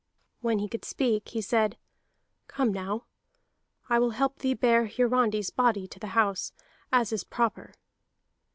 When he could speak, he said: "Come now, I will help thee bear Hiarandi's body to the house, as is proper."